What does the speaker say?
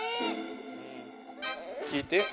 聞いて。